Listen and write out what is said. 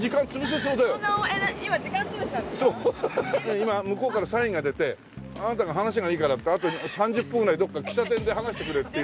今向こうからサインが出てあなたが話がいいからってあと３０分ぐらいどこか喫茶店で話してくれっていう。